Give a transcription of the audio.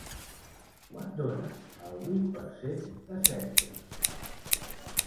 Quant dona el vuit per cent de setze?